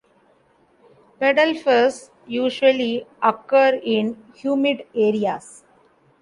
Pedalfers usually occur in humid areas.